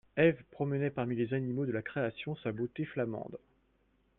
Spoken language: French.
Eve promenait parmi les animaux de la création sa beauté flamande.